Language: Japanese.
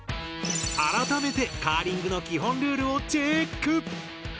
改めてカーリングの基本ルールをチェック！